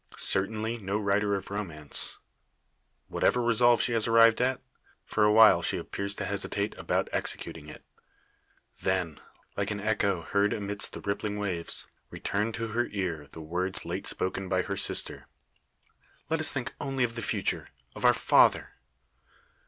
Certainly, no writer of romance. Whatever resolve she has arrived at, for a while she appears to hesitate about executing it. Then, like an echo heard amidst the rippling waves, return to her ear the words late spoken by her sister "Let us think only of the future of our father."